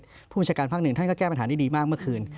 ผู้บัญชาการภาคหนึ่งท่านก็แก้ปัญหาได้ดีมากเมื่อคืน